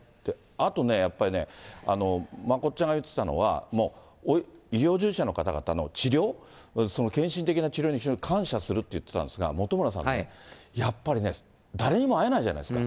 あとね、やっぱりね、まこっちゃんが言ってたのは、医療従事者の方々の治療、その献身的な治療に非常に感謝すると言ってたんですが、本村さん、やっぱりね、誰にも会えないじゃないですか。